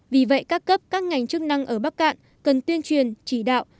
vì vậy các cấp các ngành chức năng ở bắc cạn cần tuyên truyền chỉ đạo